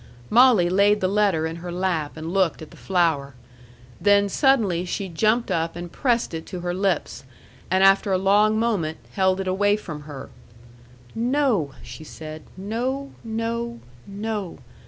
Molly laid the letter in her lap and looked at the flower. Then suddenly she jumped up and pressed it to her lips, and after a long moment held it away from her. "No," she said. "No, no, no."